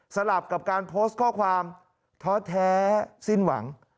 สลับกับการโพสต์ข้อความท้อแท้สิ้นหวัง